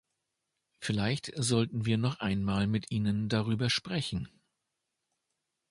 Vielleicht sollten wir noch einmal mit ihnen darüber sprechen.